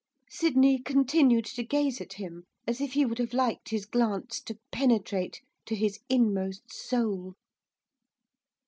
Sydney continued to gaze at him as if he would have liked his glance to penetrate to his inmost soul.